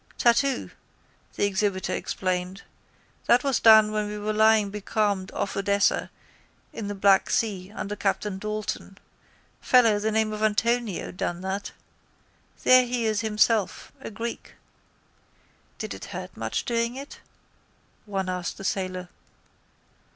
—Tattoo, the exhibitor explained. That was done when we were lying becalmed off Odessa in the Black Sea under Captain Dalton. Fellow, the name of Antonio, done that. There he is himself, a Greek. —Did it hurt much doing it? one asked the sailor.